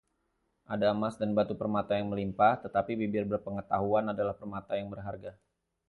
Ada emas dan batu permata yang melimpah, tetapi bibir berpengetahuan adalah permata yang berharga.